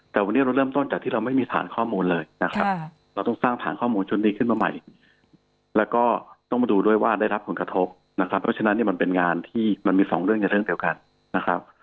แต่วันนี้เราเริ่มต้นจากที่เราไม่มีฐานข้อมูลเลยนะครับเราต้องสร้างฐานข้อมูลชุดนี้ขึ้นมาใหม่แล้วก็ต้องมาดูด้วยว่าได้รับผลกระทบนะครับเพราะฉะนั้นเนี่ยมันเป็นงานที่มันมีสองเรื่องในเรื่องเดียวกันนะครับ